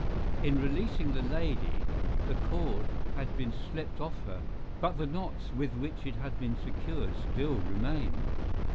In releasing the lady, the cord had been slipped off her, but the knots with which it had been secured still remained.